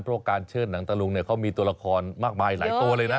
เพราะการเชิดหนังตะลุงเนี่ยเขามีตัวละครมากมายหลายตัวเลยนะ